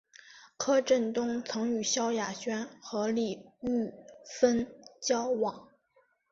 柯震东曾与萧亚轩和李毓芬交往。